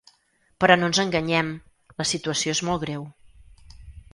Però no ens enganyem: la situació és molt greu.